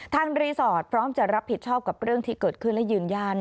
รีสอร์ทพร้อมจะรับผิดชอบกับเรื่องที่เกิดขึ้นและยืนยัน